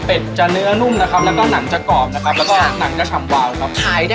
เป็นจะเนื้อนุ่มนะครับแล้วก็หนังจะกรอบนะครับแล้วก็หนังจะชำวาวครับ